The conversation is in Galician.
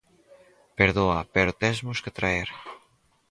Perdoa, pero tesmos que traer